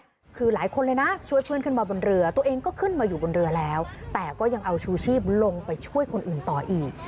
คือหลายคนเลยนะช่วยเพื่อนขึ้นมาบนเรือตัวเองก็ขึ้นมาอยู่บนเรือแล้วแต่ก็ยังเอาชูชีพลงไปช่วยคนอื่นต่ออีก